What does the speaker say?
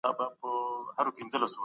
شل شلم عدد دئ.